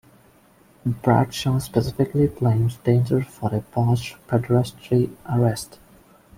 Bradshaw specifically blames Danger for a botched pederasty arrest.